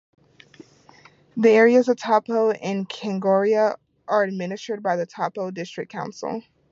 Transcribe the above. The areas of Taupo and Kaingaroa are administered by the Taupo District Council.